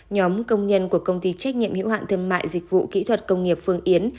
nhóm công nhân của công ty trách nhiệm hiệu hạn thương mại dịch vụ kỹ thuật công nghiệp phương yến